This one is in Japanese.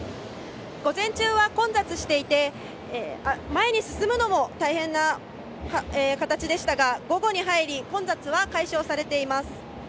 午前中は混雑していて、前に進むのも大変な形でしたが、午後に入り、混雑は解消されています。